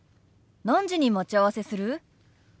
何時に待ち合わせする？